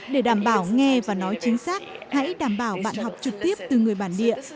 để đảm bảo nghe và nói chính xác hãy đảm bảo bạn học trực tiếp từ người bản địa